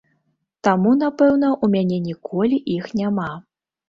Таму, напэўна, ў мяне ніколі іх няма.